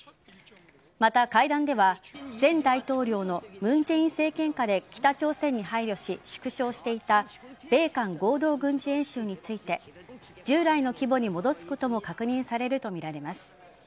また、会談では前大統領の文在寅政権下で北朝鮮に配慮し、縮小していた米韓合同軍事演習について従来の規模に戻すことも確認されるとみられます。